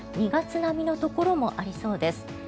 ２月並みのところもありそうです。